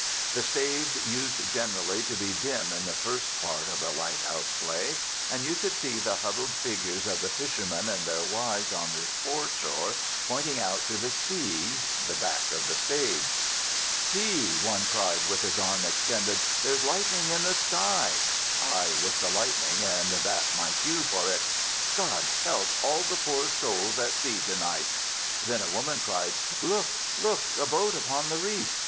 The stage used generally to be dim in the first part of a lighthouse play, and you could see the huddled figures of the fishermen and their wives on the foreshore pointing out to the sea (the back of the stage). "See," one cried with his arm extended, "there is lightning in yon sky." (I was the lightning and that my cue for it): "God help all the poor souls at sea to night!" Then a woman cried, "Look! Look! a boat upon the reef!"